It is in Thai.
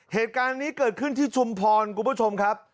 เหตุการณ์นี้เกิดขึ้นที่ชุมพรคุณผู้ชมครับ